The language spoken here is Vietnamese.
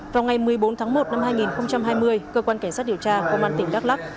vào ngày một mươi bốn tháng một năm hai nghìn hai mươi cơ quan cảnh sát điều tra công an tỉnh đắk lắc